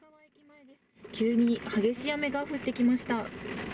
急に激しい雨が降ってきました。